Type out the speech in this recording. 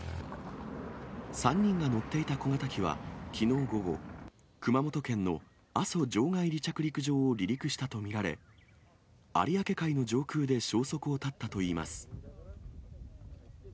３人が乗っていた小型機はきのう午後、熊本県の阿蘇場外離着陸場を離陸したと見られ、有明海の上空で消息を絶ったといいます。